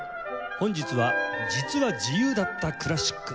本日は「実は自由だったクラシック！